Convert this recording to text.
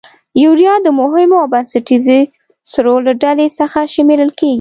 یوریا د مهمو او بنسټیزو سرو له ډلې څخه شمیرل کیږي.